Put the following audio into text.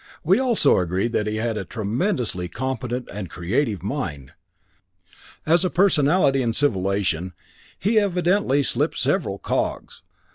"We also agreed that he had a tremendously competent and creative mind. As a personality in civilization, he'd evidently slipped several cogs.